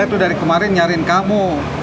saya tuh dari kemarin nyariin kamu